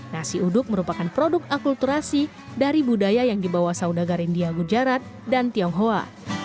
nasi uduk merupakan produk akulturasi dari budaya yang dibawa saudagar india gujarat dan tionghoa